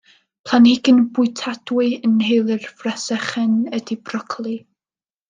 Planhigyn bwytadwy yn nheulu'r fresychen ydy brocoli.